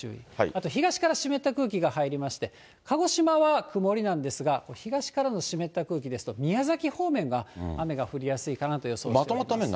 あと東から湿った空気が入りまして、鹿児島は曇りなんですが、東からの湿った空気ですと、宮崎方面が雨が降りやすいかなと予想しています。